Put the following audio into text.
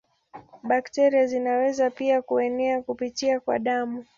Bakteria zinaweza pia kuenea kupitia kwa damu.